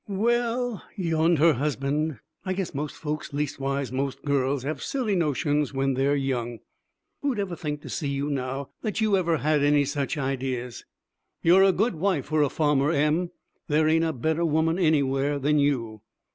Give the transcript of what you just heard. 'Well,' yawned her husband, 'I guess most folks, leastwise most girls, have silly notions when they're young. Who'd ever think to see you now, that you ever had any such ideas? You're a good wife for a farmer, Em. There ain't a better woman anywhere, than you.'